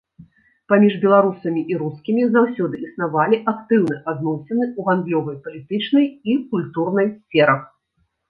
Паміж беларусамі і рускімі заўсёды існавалі актыўныя адносіны ў гандлёвай, палітычнай і культурнай сферах.